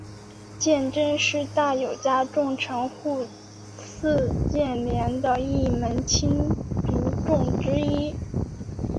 鉴贞是大友家重臣户次鉴连的一门亲族众之一。